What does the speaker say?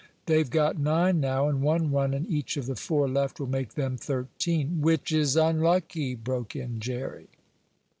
They've got nine now, and one run in each of the four left will make them thirteen " "Which is unlucky," broke in Jerry.